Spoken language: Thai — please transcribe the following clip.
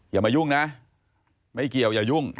อย่ามายุ่งนะไม่เกี่ยวอย่ายุ่ง